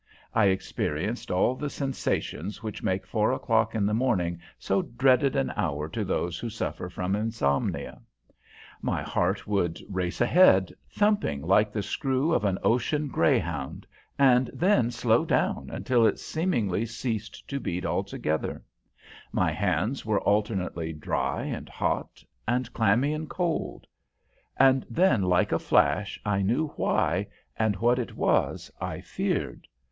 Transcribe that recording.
I experienced all the sensations which make four o'clock in the morning so dreaded an hour to those who suffer from insomnia. My heart would race ahead, thumping like the screw of an ocean greyhound, and then slow down until it seemingly ceased to beat altogether; my hands were alternately dry and hot, and clammy and cold; and then like a flash I knew why, and what it was I feared.